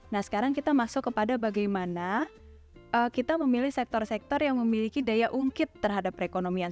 nah sekarang kita masuk kepada bagaimana kita memilih sektor sektor yang memiliki daya ungkit terhadap perekonomian